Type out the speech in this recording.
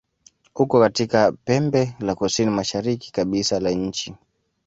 Uko katika pembe la kusini-mashariki kabisa la nchi.